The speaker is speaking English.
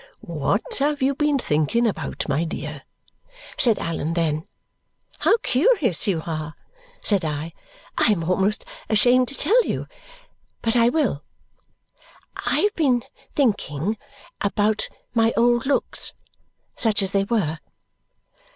"What have you been thinking about, my dear?" said Allan then. "How curious you are!" said I. "I am almost ashamed to tell you, but I will. I have been thinking about my old looks such as they were."